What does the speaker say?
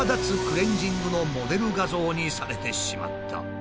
クレンジングのモデル画像にされてしまった。